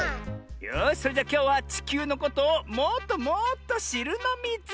よしそれじゃきょうはちきゅうのことをもっともっとしるのミズ！